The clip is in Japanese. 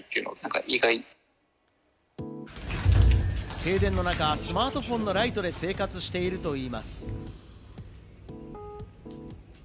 停電の中、スマートフォンのライトで生活しているといいます。